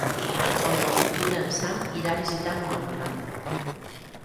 El nou d'octubre en Sam irà a visitar mon oncle.